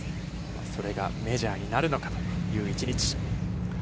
それがメジャーになるのかという１日。